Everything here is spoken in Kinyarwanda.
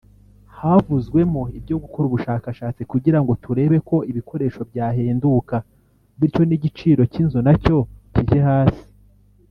havuzwemo ibyo gukora ubushakashatsi kugira ngo turebe ko ibikoresho byahenduka bityo n’igiciro cy’inzu nacyo kijye hasi